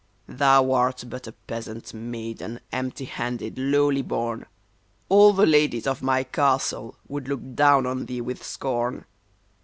* Thou art but a peasant maiden, empty handed, lowly born ; All the ladies of my castle would look down on thee with scorn.